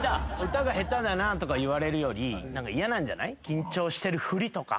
歌が下手だなとか言われるより嫌なんじゃない？とか。